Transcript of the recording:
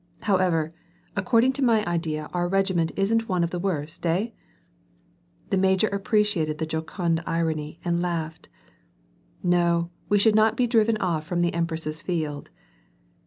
However, according to my idea our regiment isn't one of the worst, hey ?" The major appreciated the jocund irony and laughed. "!N^o, we should not be driven off from the Empress's Field."